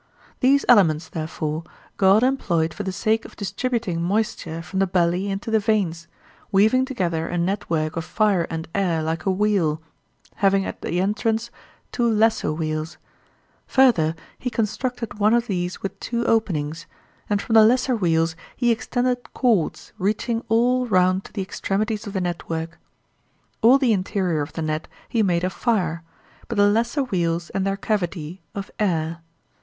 These elements, therefore, God employed for the sake of distributing moisture from the belly into the veins, weaving together a network of fire and air like a weel, having at the entrance two lesser weels; further he constructed one of these with two openings, and from the lesser weels he extended cords reaching all round to the extremities of the network. All the interior of the net he made of fire, but the lesser weels and their cavity, of air.